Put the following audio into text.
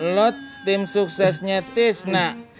lo tim suksesnya tisna